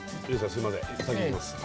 すいません先いきます